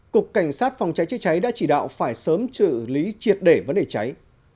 cục cảnh sát phòng cháy chế cháy đã chỉ đạo phải sớm trự lý triệt để vấn đề cháy